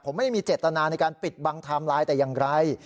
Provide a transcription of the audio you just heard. ผมไม่ได้มีเจตนาในการปิดบังไทม์ไลน์แต่อย่างไร